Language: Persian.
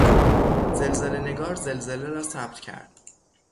زلزلهنگار زلزله را ثبت کرد.